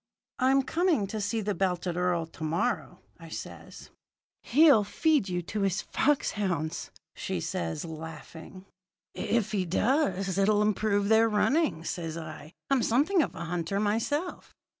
"'I'm coming to see the belted earl to morrow,' I says. "'He'll feed you to his fox hounds,' says she, laughing. "'If he does, it'll improve their running,' says I. 'I'm something of a hunter myself.'